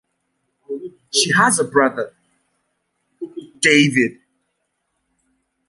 She has a brother, David.